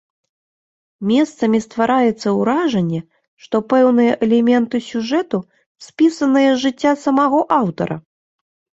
Месцамі ствараецца ўражанне, што пэўныя элементы сюжэту спісаныя з жыцця самога аўтара.